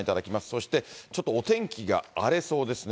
そしてちょっとお天気が荒れそうですね。